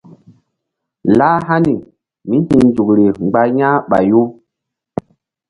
Lah hani míhi̧nzukri mgba yah ɓayu.